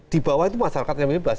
di bawah itu masyarakat yang bebas